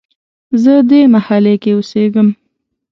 زه دې محلې کې اوسیږم